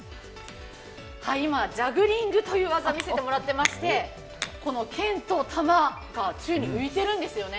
今ジャグリングという技を見せてもらっていましてこの剣と玉が宙に浮いているんです。